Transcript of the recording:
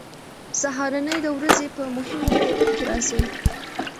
سهارنۍ د ورځې په مهمو خوړو کې راځي.